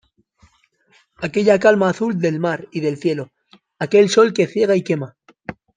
aquella calma azul del mar y del cielo, aquel sol que ciega y quema